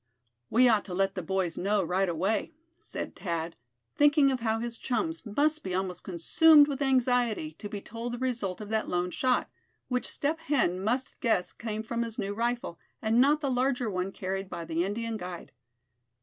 "We ought to let the boys know right away," said Thad, thinking of how his chums must be almost consumed with anxiety to be told the result of that lone shot; which Step Hen must guess came from his new rifle, and not the larger one carried by the Indian guide.